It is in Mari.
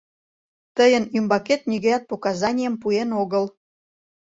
Тыйын ӱмбакет нигӧат показанийым пуэн огыл.